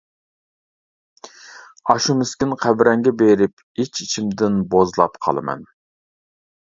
ئاشۇ مىسكىن قەبرەڭگە بېرىپ، ئىچ-ئىچىمدىن بوزلاپ قالىمەن.